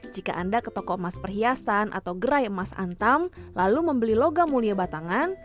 jika anda ke toko emas perhiasan atau gerai emas antam lalu membeli logam mulia batangan